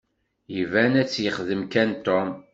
Iban ad tt-yexdem kan Tom.